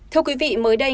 thưa quý vị mới đây